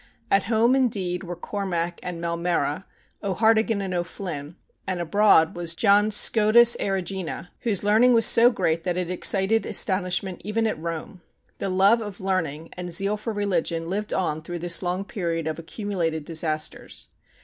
At home indeed were Cormac and Maelmurra, O'Hartigan and O'Flynn, and abroad was John Scotus Erigena, whose learning was so great that it excited astonishment even at Rome. The love of learning and zeal for religion lived on through this long period of accumulated disasters.